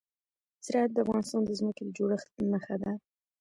زراعت د افغانستان د ځمکې د جوړښت نښه ده.